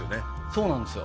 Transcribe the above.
そうなんですよ。